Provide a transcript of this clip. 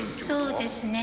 そうですね。